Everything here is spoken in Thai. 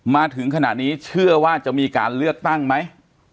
มาถึงขณะนี้เชื่อว่าจะมีการเลือกตั้งไหม